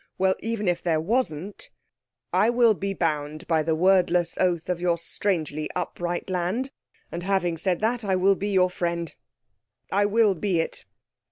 "Well, even if there wasn't, I will be bound by the wordless oath of your strangely upright land, and having said that I will be your friend—I will be it."